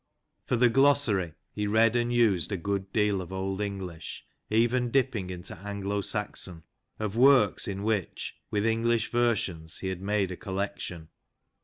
For the glossary, he read and used a good deal of old English, even dipping into Anglo Saxon, of works in which, with English versions, he had made a collection.